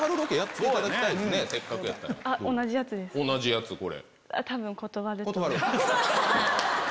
同じやつ。